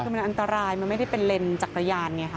คือมันอันตรายมันไม่ได้เป็นเลนส์จักรยานไงค่ะ